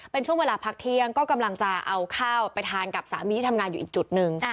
เป็นช่วงเวลาพักเที่ยงก็กำลังจะเอาข้าวไปทานกับสามีที่ทำงานอยู่อีกจุดหนึ่ง